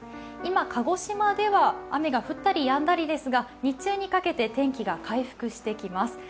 今鹿児島では雨が降ったりやんだりですが日中にかけて天気が回復してきます。